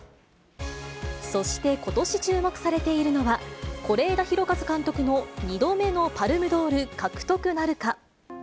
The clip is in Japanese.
そして、ことし注目されているのは、是枝裕和監督の２度目のパルムドール獲得なるか。